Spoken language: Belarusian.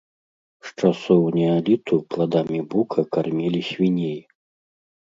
З часоў неаліту пладамі бука кармілі свіней.